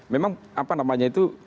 memang apa namanya itu